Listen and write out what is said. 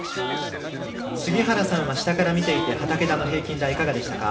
杉原さんは下から見ていて畠田の平均台、いかがでしたか。